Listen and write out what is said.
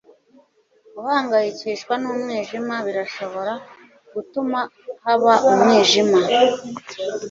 Guhangayikishwa n'umwijima birashobora gutuma haba umwijima.”